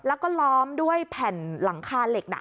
แล้วก็ล้อมด้วยแผ่นหลังคาเหล็กน่ะ